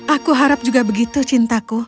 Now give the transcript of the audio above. aku harap juga begitu cintaku